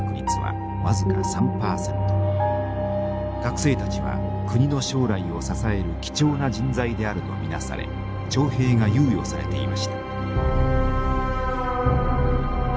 学生たちは国の将来を支える貴重な人材であると見なされ徴兵が猶予されていました。